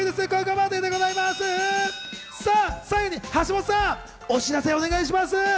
最後に橋本さん、お知らせお願いします。